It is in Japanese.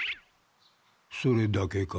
それだけか？